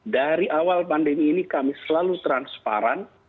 dari awal pandemi ini kami selalu transparan